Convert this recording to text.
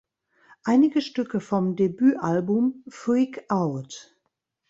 Einige Stücke vom Debüt-Album "Freak Out!